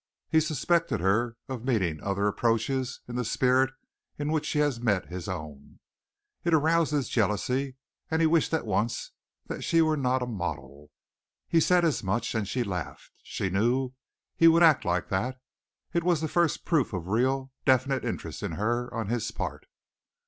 He suspected her of meeting other approaches in the spirit in which she had met his own. It aroused his jealousy, and he wished at once that she were not a model. He said as much and she laughed. She knew he would act like that, it was the first proof of real, definite interest in her on his part.